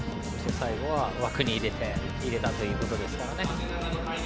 最後は枠に入れて入れたということですからね。